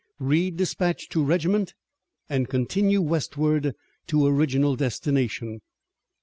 Read dispatch to regiment and continue westward to original destination.